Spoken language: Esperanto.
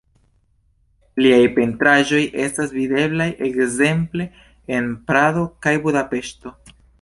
Liaj pentraĵoj estas videblaj ekzemple en Prado kaj Budapeŝto.